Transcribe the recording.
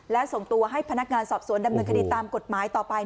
และส่งตัวให้พนักงานสอบสวนดำเนินคดีตามกฎหมายต่อไป